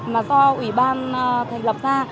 mà do ủy ban thành lập ra